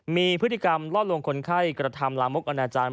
มีพฤติกรรมล่อลวงคนไข้กระทำลามกอนาจารย์